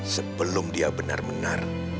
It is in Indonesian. sebelum dia benar benar